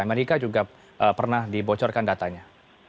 amerika juga pernah dibocorkan datanya